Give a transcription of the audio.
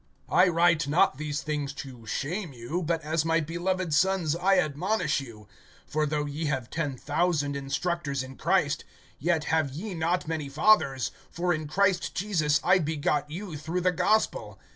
(14)I write not these things to shame you, but as my beloved sons I admonish you. (15)For though ye have ten thousand instructors in Christ, yet have ye not many fathers; for in Christ Jesus I begot you through the gospel.